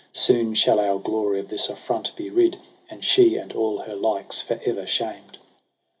Soon shall our glory of this affront be rid. And she and all her likes for ever shamed.